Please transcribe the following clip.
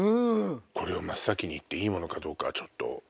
これを真っ先に言っていいものかどうかちょっと。